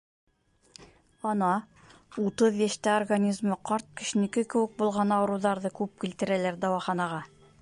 Ана, утыҙ йәштә организмы ҡарт кешенеке кеүек булған ауырыуҙарҙы күп килтерәләр дауаханаға.